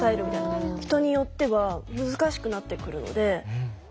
人によっては難しくなってくるので。